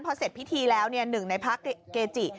พอเสร็จพิธีแล้วหนึ่งในพระเกจิ